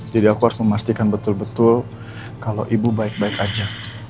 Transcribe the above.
jadi aku harus memastikan betul betul kalau ibu baik baik aja